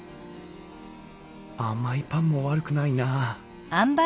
甘いパンも悪くないな。